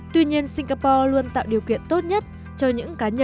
tuy nhiên singapore luôn tạo điều kiện tốt nhất cho những cá nhân